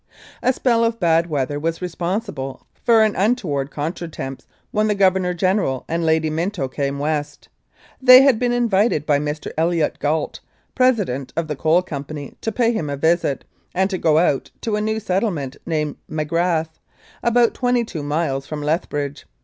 A spell of bad weather was responsible for an un toward contretemps when the Governor General and Lady Minto came West. They had been invited by Mr. Elliot Gait, president of the Coal Company, to pay him a visit, and to go out to a new settlement named Magrath, about twenty two miles from Lethbridge.